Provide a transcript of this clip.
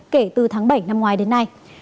kể từ tháng bảy năm ngoài đến nay